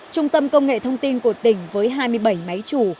trung tâm công nghệ thông tin của tỉnh với hai mươi bảy máy chủ